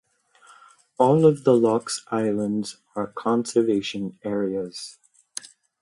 All of the loch's islands are conservation areas.